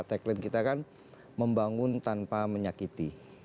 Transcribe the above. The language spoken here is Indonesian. tagline kita kan membangun tanpa menyakiti